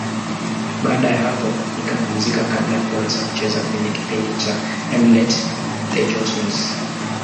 Baada ya hapo nikapumzika kabla ya kuanza kucheza kwenye kipindi cha M-net, The Johnsons.